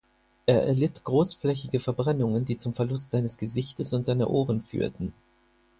Er erlitt großflächige Verbrennungen, die zum Verlust seines Gesichtes und seiner Ohren führten.